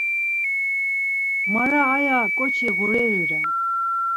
Mara aya ǩoçi ğureri ren.